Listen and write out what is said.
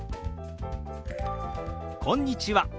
「こんにちは」。